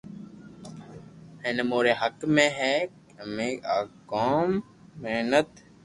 ھين اموري حق ھي ڪي امي آ ڪوم محنت